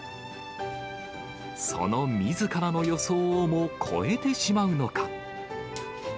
そのみずからの予想をも超えてしまうのか。